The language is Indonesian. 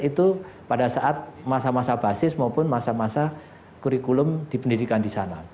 itu pada saat masa masa basis maupun masa masa kurikulum di pendidikan di sana